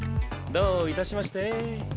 どういたしまして。